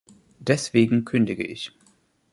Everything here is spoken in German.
Deswegen kündige ich.